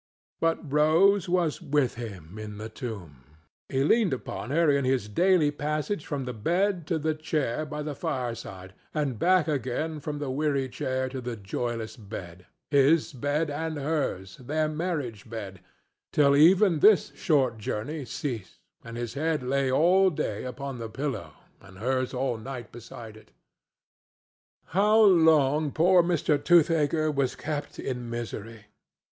But Rose was with him in the tomb. He leaned upon her in his daily passage from the bed to the chair by the fireside, and back again from the weary chair to the joyless bed—his bed and hers, their marriage bed—till even this short journey ceased and his head lay all day upon the pillow and hers all night beside it. How long poor Mr. Toothaker was kept in misery!